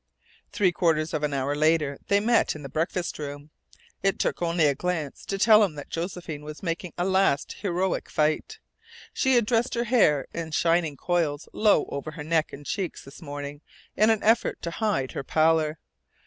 Three quarters of an hour later they met in the breakfast room. It took only a glance to tell him that Josephine was making a last heroic fight. She had dressed her hair in shining coils low over her neck and cheeks this morning in an effort to hide her pallor.